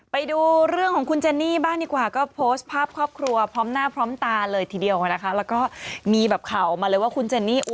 ไปดูเรื่องของคุณเจนนี่บ้างดีกว่าก็โพสต์ภาพครอบครัวพร้อมหน้าพร้อมตาเลยทีเดียวนะคะแล้วก็มีแบบข่าวออกมาเลยว่าคุณเจนนี่